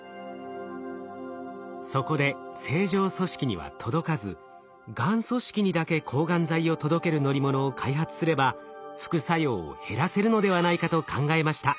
そこで正常組織には届かずがん組織にだけ抗がん剤を届ける乗り物を開発すれば副作用を減らせるのではないかと考えました。